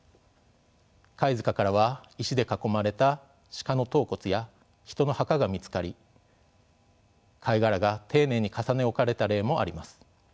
貝塚からは石で囲まれた鹿の頭骨や人の墓が見つかり貝殻が丁寧に重ね置かれた例もあります。